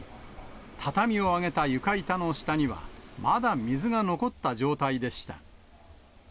畳を上げた床板の下には、まだ水が残った状態でした。